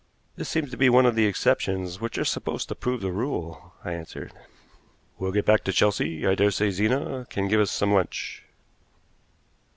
"This seems to be one of the exceptions which are supposed to prove the rule," I answered. "We'll get back to Chelsea. I daresay Zena can give us some lunch."